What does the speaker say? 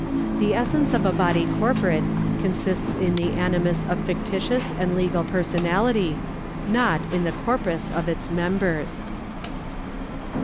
The essence of a body corporate consists 294 PERSONS [§118 in the animus of fictitious and legal personality, not in the corpus of its members.